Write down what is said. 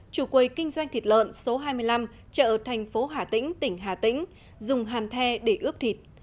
chủ quầy kinh doanh thịt lợn số hai mươi năm chợ thành phố hà tĩnh tỉnh hà tĩnh dùng hàn the để ướp thịt